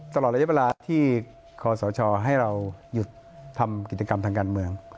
ตลอดหลายอย่างเวลาที่คศให้เราหยุดทำกิจกรรมทางการเมือง